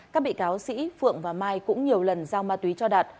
các bị cáo sĩ phượng và mai cũng nhiều lần giao ma túy cho đạt